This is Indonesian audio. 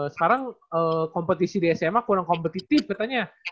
sekarang kompetisi di sma kurang kompetitif katanya